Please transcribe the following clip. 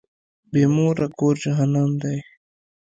بی موره کور جهنم دی.